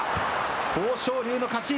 豊昇龍の勝ち。